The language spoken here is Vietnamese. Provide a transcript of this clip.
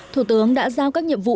thủ tướng đã giao các nhiệm vụ